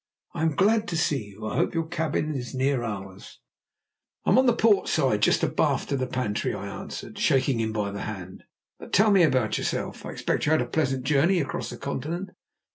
I am glad to see you. I hope your cabin is near ours." "I'm on the port side just abaft the pantry," I answered, shaking him by the hand. "But tell me about yourself. I expect you had a pleasant journey across the Continent."